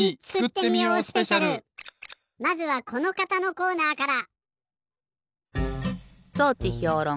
まずはこのかたのコーナーから。